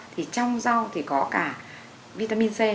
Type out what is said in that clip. thì trong rau thì có cả vitamin c